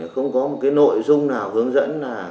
không có một cái nội dung nào hướng dẫn là